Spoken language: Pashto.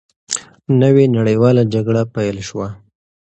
نوې نړیواله جګړه پیل شوه.